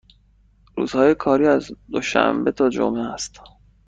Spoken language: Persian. روزهای کاری از دوشنبه تا جمعه است.